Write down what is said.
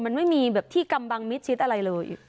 มันไม่มีแบบที่กำบังมิดชิดอะไรเลย